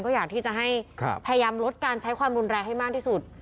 ก็อยากที่จะให้พยายามลดการใช้ความรุนแรงให้มากที่สุด